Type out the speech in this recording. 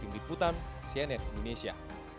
tim liputan cnn indonesia